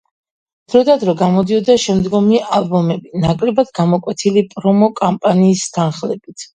დრო და დრო გამოდიოდა შემდგომი ალბომები, ნაკლებად გამოკვეთილი პრომო კამპანიის თანხლებით.